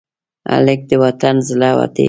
هلک د وطن زړه دی.